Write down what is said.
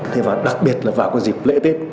thế và đặc biệt là vào dịp lễ tết